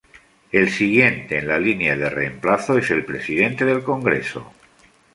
El siguiente en la línea de reemplazo es el presidente del Congreso.